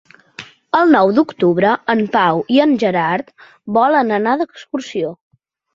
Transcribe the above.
El nou d'octubre en Pau i en Gerard volen anar d'excursió.